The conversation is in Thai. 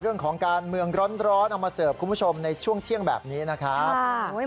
เรื่องของการเมืองร้อนเอามาเสิร์ฟคุณผู้ชมในช่วงเที่ยงแบบนี้นะครับ